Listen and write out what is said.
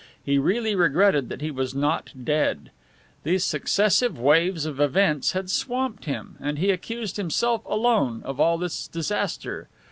He really regretted that he was not dead. These successive waves of events had swamped him; and he accused himself alone of all this disaster.